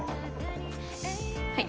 はい。